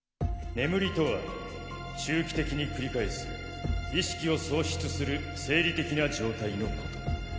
眠りとは周期的に繰り返す意識を喪失する生理的な状態のこと。